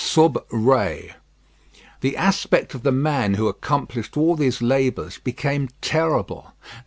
IV SUB RE The aspect of the man who accomplished all these labours became terrible.